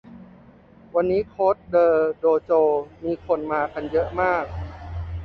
วันนี้โค้ดเดอร์โดโจมีคนมากันเยอะมาก